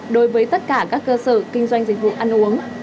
đối với tất cả các cơ sở kinh doanh dịch vụ ăn uống